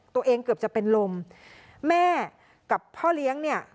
เกือบจะเป็นลมแม่กับพ่อเลี้ยงเนี่ย